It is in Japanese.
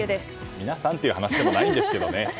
皆さんっていう話でもないんですけどね。